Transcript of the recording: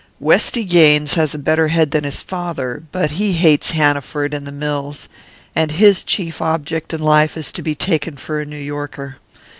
"Westy Gaines has a better head than his father; but he hates Hanaford and the mills, and his chief object in life is to be taken for a New Yorker.